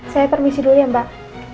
saya permisi dulu ya mbak